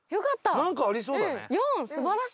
なんかありそうだね。